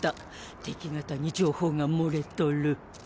敵方に情報が漏れとる。